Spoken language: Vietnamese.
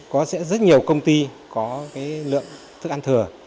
có rất nhiều công ty có cái lượng thức ăn thừa